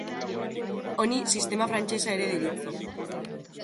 Honi, sistema frantsesa ere deritzo.